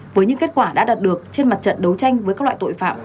với những kết quả đã đạt được trên mặt trận đấu tranh với các loại tội phạm